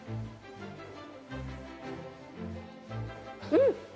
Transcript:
うん！